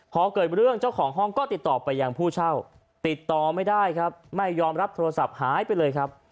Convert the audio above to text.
พอเกิดเรื่องเจ้าของห้องก็ติดต่อไปยังผู้เช่าติดต่อไม่ได้ครับไม่ยอมรับโทรศัพท์หายไปเลยครับ